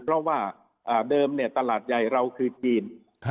เพราะว่าเดิมตลาดใหญ่เราคือจีน